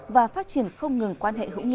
và phát triển không ngừng quan hệ hữu nghị